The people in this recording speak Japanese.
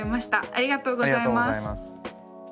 ありがとうございます。